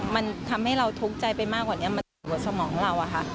มันทำให้เราทุกข์ใจไปมากกว่านี้มันปวดสมองเราอะค่ะ